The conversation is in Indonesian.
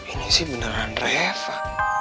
ini sih beneran reva